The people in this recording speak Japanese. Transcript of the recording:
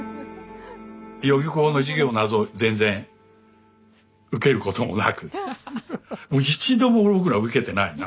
予備校の授業など全然受けることもなくもう一度も僕らは受けてないな。